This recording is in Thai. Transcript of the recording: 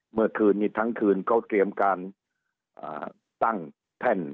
เมื่อคืนนี้ทั้งคืนเขาเตรียมการตั้งแท่น